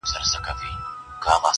زما د نیکه ستا د ابا دا نازولی وطن٫